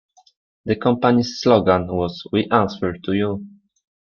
The company's slogan was We answer to you.